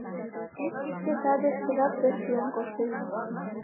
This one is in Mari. Шке садышкыжат пеш шуэн коштеш.